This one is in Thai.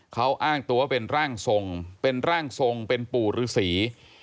เขาอ้างตัวเป็นร่างทรงเป็นร่างทรงเป็นปู่ฤษี